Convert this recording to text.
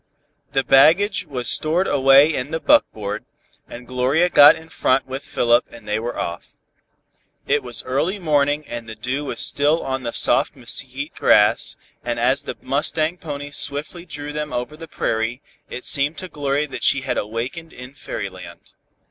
The baggage was stored away in the buck board, and Gloria got in front with Philip and they were off. It was early morning and the dew was still on the soft mesquite grass, and as the mustang ponies swiftly drew them over the prairie, it seemed to Gloria that she had awakened in fairyland.